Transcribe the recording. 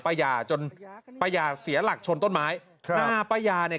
ป้ายาจนป้ายาเสียหลักชนต้นไม้ครับหน้าป้ายาเนี่ย